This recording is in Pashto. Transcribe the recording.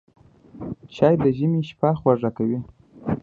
چای د ژمي شپه خوږه کوي